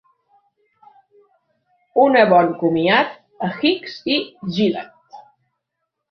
Una bon comiat a Hicks i Gillett.